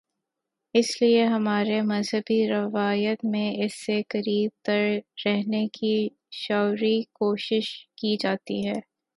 اس لیے ہماری مذہبی روایت میں اس سے قریب تر رہنے کی شعوری کوشش کی جاتی ہے۔